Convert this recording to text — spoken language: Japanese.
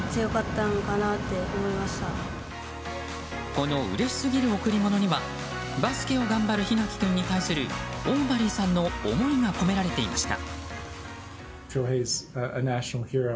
このうれしすぎる贈り物にはバスケを頑張る檜垣君に対するオーバリーさんの思いが込められていました。